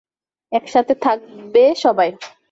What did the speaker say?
একসাথে থাকবে সবাই!